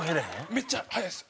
めっちゃ早いっす。